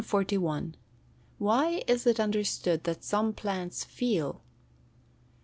_Why is it understood that some plants feel?